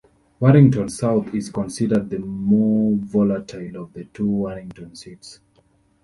Warrington South is considered the more volatile of the two Warrington seats.